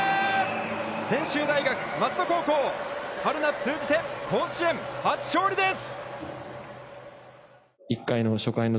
専修大学松戸高校春夏通じて甲子園初勝利です。